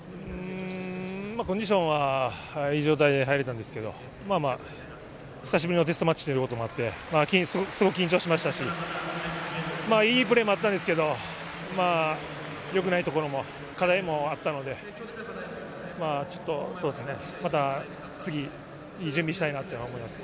コンディションはいい状態で入れたんですけれど、久しぶりのテストマッチということもあって、すごく緊張しましたし、いいプレーもあったんですけど、よくないところも、課題もあったので、また次、いい準備をしたいなと思います。